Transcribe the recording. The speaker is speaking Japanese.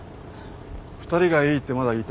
２人がいいってまだ言いたいの？